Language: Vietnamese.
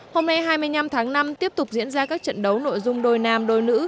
hôm nay hai mươi năm tháng năm tiếp tục diễn ra các trận đấu nội dung đôi nam đôi nữ